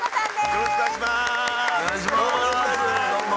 よろしくお願いします。